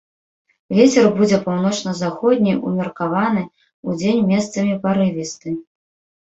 Вецер будзе паўночна-заходні ўмеркаваны, удзень месцамі парывісты.